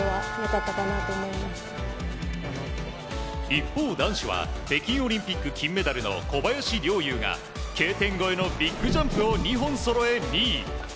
一方、男子は北京オリンピック金メダルの小林陵侑がＫ点越えのビッグジャンプを２本そろえ２位。